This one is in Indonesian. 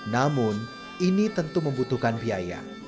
namun ini tentu membutuhkan biaya